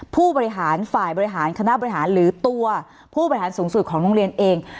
ผู้บริหารฝ่ายบริหารคณะบริหารหรือตัวผู้บริหารสูงสุดของโรงเรียนเอง